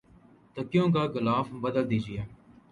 تکیوں کا غلاف بدل دیجئے